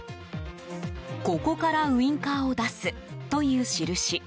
ここからウィンカーを出すという印。